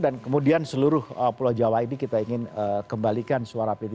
dan kemudian seluruh pulau jawa ini kita ingin kembalikan suara p tiga